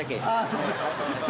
すみません。